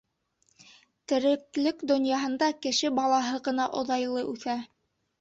Тереклек донъяһында кеше балаһы ғына оҙайлы үҫә.